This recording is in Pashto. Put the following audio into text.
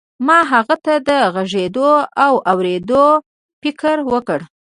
ما هغه ته د غږېدو او اورېدو فکر ورکړ.